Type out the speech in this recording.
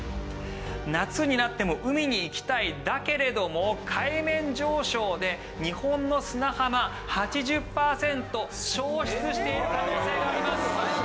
夏になっても海に行きたいだけれども海面上昇で日本の砂浜８０パーセント消失している可能性があります。